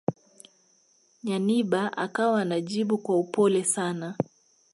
Nyanibah akawa anajibu kwa upole sana